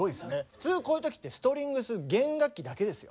普通こういう時ってストリングス弦楽器だけですよ。